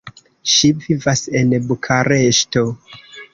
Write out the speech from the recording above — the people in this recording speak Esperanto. Ŝi vivas en Bukareŝto.